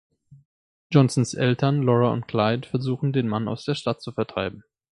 Johnsons Eltern Laura und Clyde versuchen, den Mann aus der Stadt zu vertreiben.